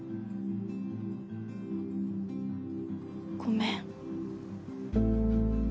ごめん